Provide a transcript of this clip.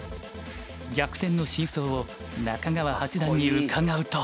逆転の真相を中川八段に伺うと。